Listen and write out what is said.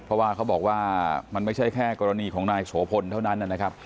เพราะว่าเขาบอกว่ามันไม่ใช่แค่กรณีของนายโสพลเท่านั้นนะครับ